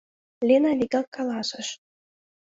— Лена вигак каласыш.